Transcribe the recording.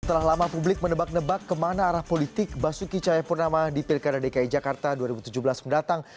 setelah lama publik menebak nebak kemana arah politik basuki cahayapurnama di pilkada dki jakarta dua ribu tujuh belas mendatang